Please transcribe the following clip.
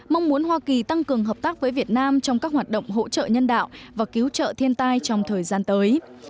mong muốn hoa kỳ tăng cường hợp tác với việt nam trong các hoạt động hỗ trợ nhân đạo và cứu trợ thiên tai trong thời gian tới